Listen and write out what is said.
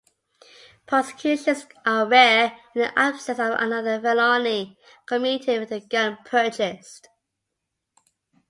Prosecutions are rare in the absence of another felony committed with the gun purchased.